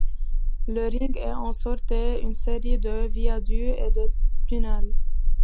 Le ring est en sorte une série de viaducs et de tunnels.